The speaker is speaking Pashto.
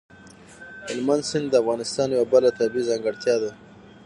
هلمند سیند د افغانستان یوه بله طبیعي ځانګړتیا ده.